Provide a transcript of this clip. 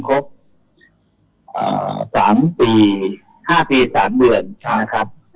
ชี้แจ้งรายละเอียดเรื่องนี้หน่อยสิครับ